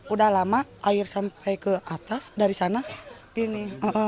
udah lama air sampai ke atas dari sana gini